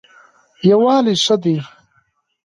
یووالی ښه دی.